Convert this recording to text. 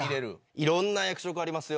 いろんな役職ありますよ。